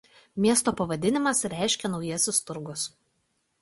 Miesto pavadinimas reiškia „Naujasis turgus“.